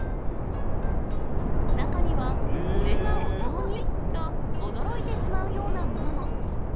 中には、これがお雑煮？と驚いてしまうようなものも。